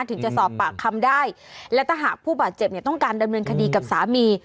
ถึงจะสอบปากคำได้และถ้าหากผู้บาดเจ็บเนี่ยต้องการดำเนินคดีกับสามี